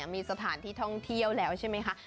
มีสถานที่ท่องเที่ยวแล้วใช่ไหมคะ